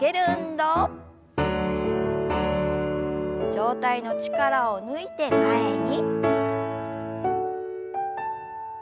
上体の力を抜いて前に。